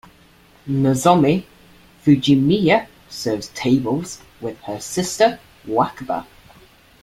Nozomi Fujimiya serves tables with her sister Wakaba.